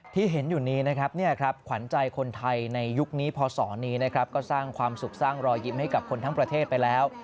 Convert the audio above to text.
ที่เห็นอยู่นี้นะครับขวัญใจคนไทยในยุคนี้พศนี้นะครับก็สร้างความสุขสร้างรอยยิ้มให้กับคนทั้งประเทศไปแล้ว